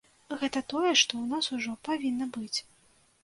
Гэта тое, што ў нас ужо павінна быць.